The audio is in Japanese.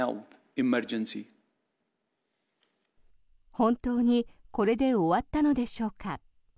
本当にこれで終わったのでしょうか。